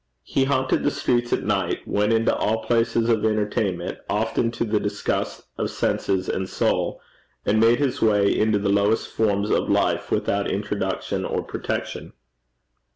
He haunted the streets at night, went into all places of entertainment, often to the disgust of senses and soul, and made his way into the lowest forms of life without introduction or protection.